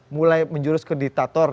mulai menjurus ke diktator